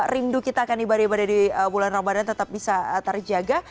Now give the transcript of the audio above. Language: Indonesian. rindu kita akan ibadah ibadah di bulan ramadan tetap bisa terjaga